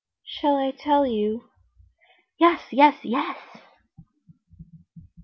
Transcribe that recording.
"Shall I tell you?" "Yes, yes, yes...."